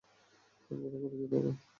আমি বড় করেছি তাকে, তুমি না।